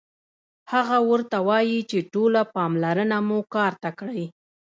هغه ورته وايي چې ټوله پاملرنه مو کار ته کړئ